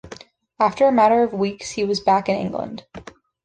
After a matter of weeks he was back in England.